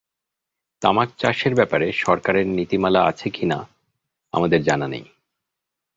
তামাক চাষের ব্যাপারে সরকারের নীতিমালা আছে কি না আমাদের জানা নেই।